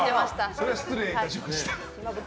それは失礼しました。